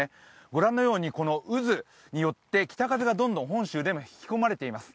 ご覧のように渦によって北風が本州でも引き込まれています。